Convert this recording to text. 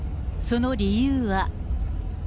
その理由は。